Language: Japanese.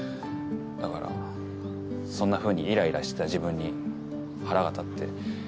だからそんなふうにいらいらした自分に腹が立って。